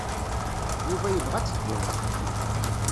Yuba yebɣa ad teddumt.